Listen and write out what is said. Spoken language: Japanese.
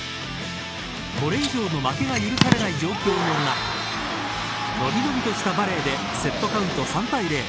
これ以上の負けが許されない状況の中のびのびとしたバレーでセットカウント３対０。